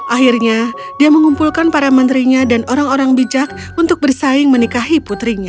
akhirnya dia mengumpulkan para menterinya dan orang orang bijak untuk bersaing menikahi putrinya